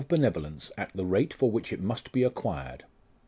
83 benevolence at the rate for which it must be acquired.